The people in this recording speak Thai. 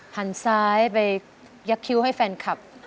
หันซ้ายไปยักษ์คิ้วให้แฟนคลับ